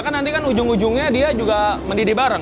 kan nanti kan ujung ujungnya dia juga mendidih bareng